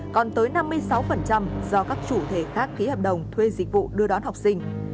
còn tới năm mươi sáu do các chủ thể khác ký hợp đồng thuê dịch vụ đưa đón học sinh